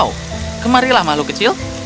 oh kemarilah mahluk kecil